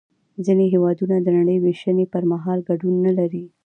ځینې هېوادونه د نړۍ وېشنې پر مهال ګډون نلري